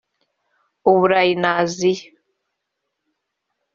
u Burayi na Aziya